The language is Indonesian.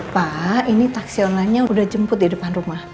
pak ini taksi onlinenya udah jemput di depan rumah